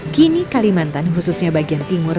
kini kalimantan khususnya bagian timur